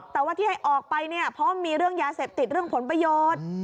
แต่ว่าที่ให้ออกไปเนี่ยเพราะมันมีเรื่องยาเสพติดเรื่องผลประโยชน์